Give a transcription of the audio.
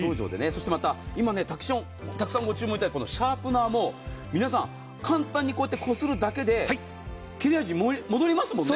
そしてまた、今たくさんご注文いただいているシャープナーも皆さん、簡単にこするだけで切れ味が戻りますもんね。